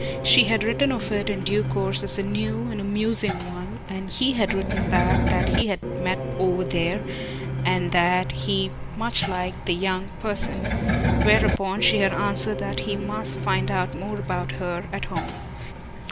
She had written of it in due course as a new and amusing one, and he had written back that he had met over there, and that he much liked, the young person; whereupon she had answered that he must find out about her at home.